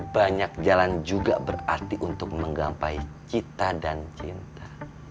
banyak jalan juga berarti untuk menggampai cita dan cinta